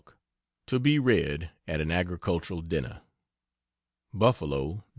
to be read at an agricultural dinner: BUFFALO, Dec.